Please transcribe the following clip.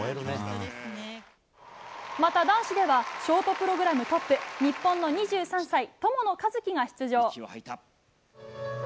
また、男子ではショートプログラムトップ日本の２３歳、友野一希が出場。